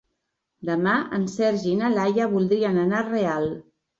Demà en Sergi i na Laia voldrien anar a Real.